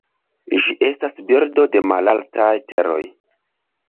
Ĝi estas birdo de malaltaj teroj.